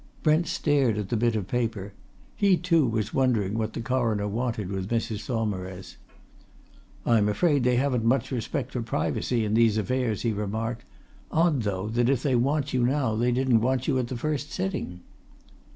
Brent stared at the bit of paper. He, too, was wondering what the Coroner wanted with Mrs. Saumarez. "I'm afraid they haven't much respect for privacy in these affairs," he remarked. "Odd, though, that if they want you now they didn't want you at the first sitting!"